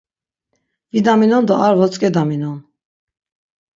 Vidaminon do ar votzǩedaminon.